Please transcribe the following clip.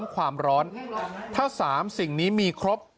ความร้อนถ้า๓สิ่งนี้มีครบ